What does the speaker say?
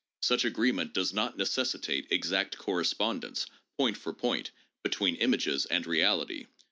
Such agree ment does not necessitate exact correspondence, point for point, between images and reality.